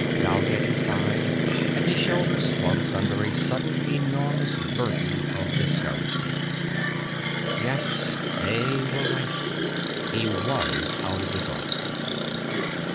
Dalgetty sighed and his shoulders slumped under a sudden enormous burden of discouragement. Yes, they were right. He was out of his orbit.